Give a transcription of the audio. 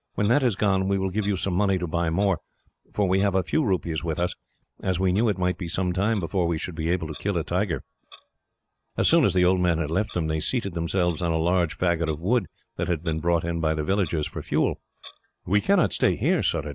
When that is gone, we will give you some money to buy more; for we have a few rupees with us, as we knew it might be some time before we should be able to kill a tiger." As soon as the old man had left them, they seated themselves on a large faggot of wood that had been brought in by the villagers, for fuel. "We cannot stay here, Surajah.